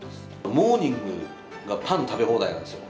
モーニングがパン食べ放題なんですよ。